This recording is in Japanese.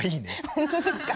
本当ですか？